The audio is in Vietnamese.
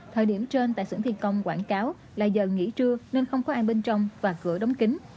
thời điểm trên tại xưởng thi công quảng cáo là giờ nghỉ trưa nên không có ai bên trong và cửa đóng kính